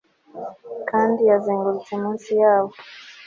Kandi yazengurutse munsi yabo